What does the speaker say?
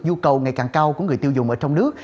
nhu cầu ngày càng cao của người tiêu dùng ở trong nước